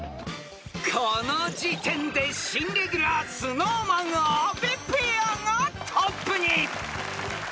［この時点で新レギュラーＳｎｏｗＭａｎ阿部ペアがトップに］